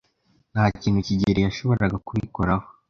Nta kintu kigeli yashoboraga kubikoraho.